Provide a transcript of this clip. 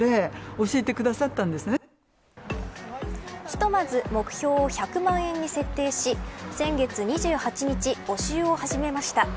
ひとまず目標を１００万円に設定し先月２８日、募集を始めました。